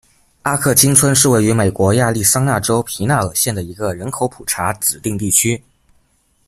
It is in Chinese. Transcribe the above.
阿克钦村是位于美国亚利桑那州皮纳尔县的一个人口普查指定地区。